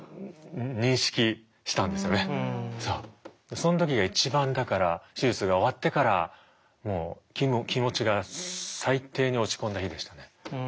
その時が一番だから手術が終わってからもう気持ちが最低に落ち込んだ日でしたね。